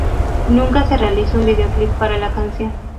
Nunca se realizó un videoclip para la canción.